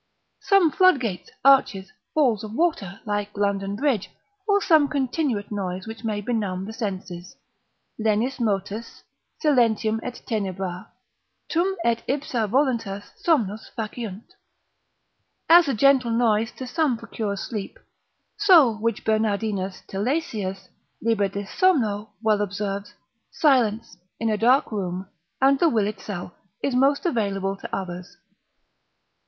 Some floodgates, arches, falls of water, like London Bridge, or some continuate noise which may benumb the senses, lenis motus, silentium et tenebra, tum et ipsa voluntas somnos faciunt; as a gentle noise to some procures sleep, so, which Bernardinus Tilesius, lib. de somno, well observes, silence, in a dark room, and the will itself, is most available to others.